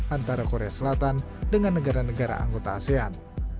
antara korea selatan dengan negara negara anggota asean